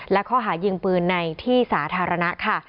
และข้อหายิงปืนในที่สาธารณะค่ะ